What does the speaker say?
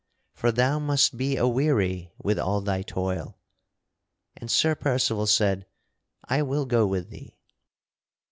For thou must be aweary with all thy toil." And Sir Percival said, "I will go with thee."